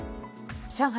上海